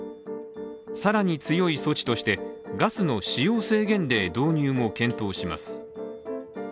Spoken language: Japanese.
更に強い措置としてガスの使用制限令導入も検討します。